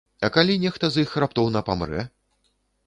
А калі нехта з іх раптоўна памрэ?